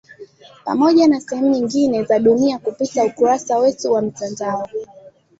Pamoja na sehemu nyingine za dunia kupitia ukurasa wetu wa mtandao.